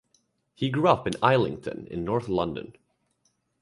He grew up in Islington in north London.